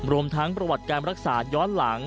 รวมทั้งประวัติการรักษาย้อนหลัง